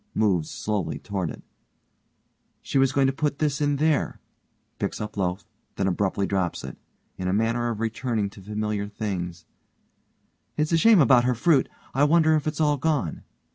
Moves slowly toward it_) She was going to put this in there, (picks up loaf, then abruptly drops it. In a manner of returning to familiar things) It's a shame about her fruit. I wonder if it's all gone.